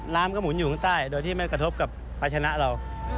น้ำก็หมุนอยู่ข้างใต้โดยที่ไม่กระทบกับภาชนะเรา